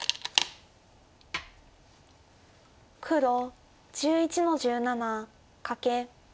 黒１１の十七カケ。